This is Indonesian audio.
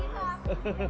jangan memintai kita